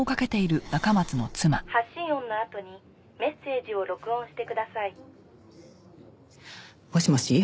「発信音のあとにメッセージを録音してください」もしもし？